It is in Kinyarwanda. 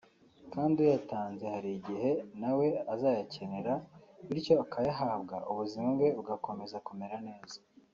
kandi uyatanze hari igihe na we azayakenera bityo akayahabwa ubuzima bwe bugakomeza kumera neza